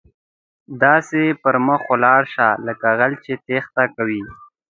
داسې پر مخ ولاړ شه، لکه غل چې ټیښته کوي.